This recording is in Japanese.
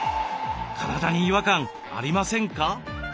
体に違和感ありませんか？